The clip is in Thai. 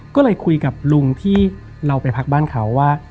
ก็เลยคุยกับลุงที่เราไปพักบ้านเขาว่า